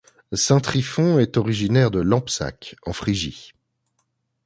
Saint Tryphon est originaire de Lampsaque en Phrygie.